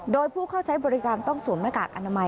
โดยผู้เข้าใช้บริการต้องสวมหน้ากากอนามัย